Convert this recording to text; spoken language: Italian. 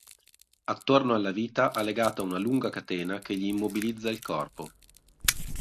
Attorno alla vita ha legata una lunga catena che gli immobilizza il corpo.